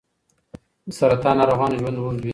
د سرطان ناروغانو ژوند اوږدوي.